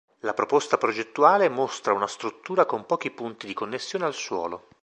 La proposta progettuale mostra una struttura con pochi punti di connessione al suolo.